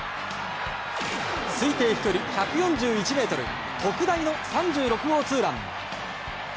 推定飛距離１４１ｍ特大の３６号ツーラン。